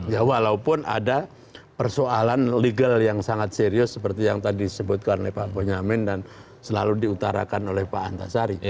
ya walaupun ada persoalan legal yang sangat serius seperti yang tadi disebutkan oleh pak bonyamin dan selalu diutarakan oleh pak antasari